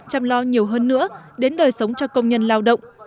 chăm lo nhiều hơn nữa đến đời sống cho công nhân lao động